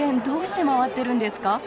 どうして回ってるんですか？